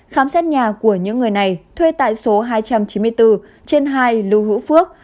khám xét nhà của những người này thuê tại số hai trăm chín mươi bốn trên hai lưu hữu phước